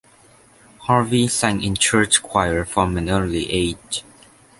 Harvey sang in the church choir from an early age.